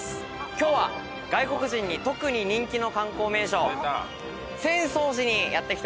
今日は外国人に特に人気の観光名所浅草寺にやって来ております。